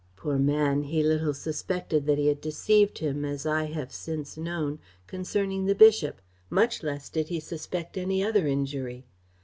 Poor man! he little suspected that he had deceived him, as I have since known, concerning the bishop; much less did he suspect any other injury.